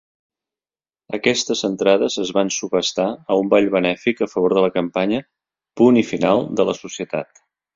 Aquestes entrades es van subhastar a un ball benèfic a favor de la campanya "Punt i final" de la societat.